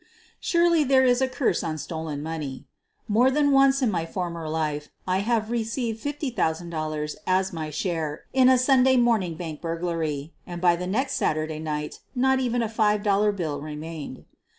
Surely there is a curse on stolen money. More than once in my former life I have received $50,000 as my share in a Sunday morning bank burglary — and by the next Saturday night not even a five dollar bill remained.